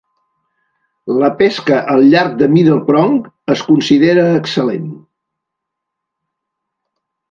La pesca al llarg de Middle Prong es considera excel·lent.